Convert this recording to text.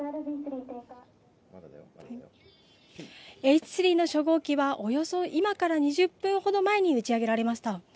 Ｈ３の初号機はおよそ今から２０分ほど前に打ち上げられました。